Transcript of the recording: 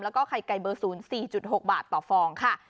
แล้วก็ไข่ไก่เบอร์๐๔๖บาทต่อฟองค่ะ